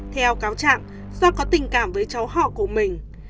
theo cáo trạng do có tình cảm với cháu họ của mình